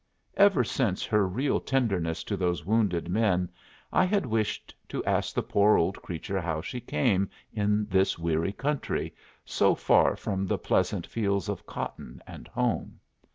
Ever since her real tenderness to those wounded men I had wished to ask the poor old creature how she came in this weary country, so far from the pleasant fields of cotton and home.